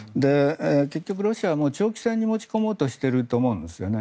結局ロシアも長期戦に持ち込もうとしてるんだと思うんですね。